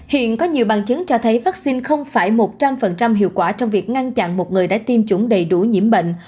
hiện có nhiều bằng chứng cho thấy vaccine không phải một trăm linh hiệu quả trong việc ngăn chặn một người đã tiêm chủng đầy đủ nhiễm bệnh